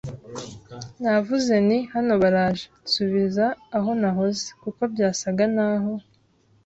Navuze nti: “Hano baraje. nsubira aho nahoze, kuko byasaga naho